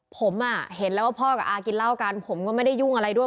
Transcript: ผมเห็นแล้วว่าพ่อกับอากินเหล้ากันผมก็ไม่ได้ยุ่งอะไรด้วย